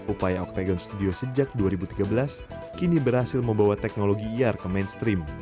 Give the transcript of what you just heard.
upaya octagon studio sejak dua ribu tiga belas kini berhasil membawa teknologi ir ke mainstream